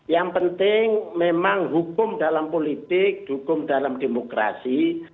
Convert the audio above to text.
yang penting memang hukum dalam politik hukum dalam demokrasi